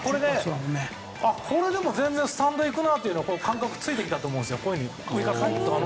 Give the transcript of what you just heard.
これでも全然スタンドに行くなという感覚がついてきたと思うんですよ。